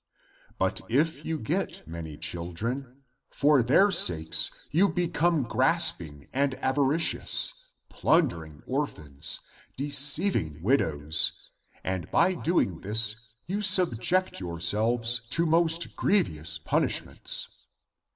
But if you get many children, for their sakes you become ACTS OF THOMAS 235 grasping and avaricious, plundering orphans, de ceiving widows, and by doing this you subject your selves to most grievous punishments.